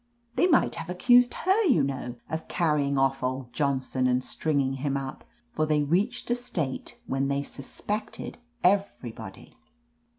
They might have accused her, you know, of cariying/ off old Johnson and stringing him up, for they reached a state when they suspected everybody.